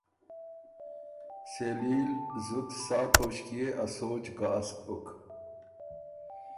سېلي ل زُت ساعت توݭکيې ا سوچ ګاسک بُک